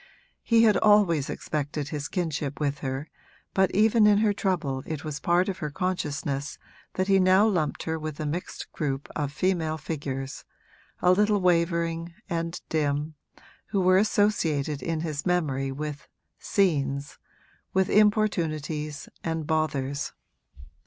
He had always accepted his kinship with her, but even in her trouble it was part of her consciousness that he now lumped her with a mixed group of female figures, a little wavering and dim, who were associated in his memory with 'scenes,' with importunities and bothers.